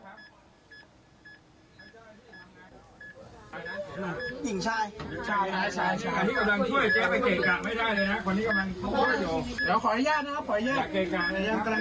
หญิงชายอ่ะใช่ใช่ใช่ชายที่กำลังช่วยแจ้งไปเกรกะไม่ได้เลยนะฮะคนที่กำลัง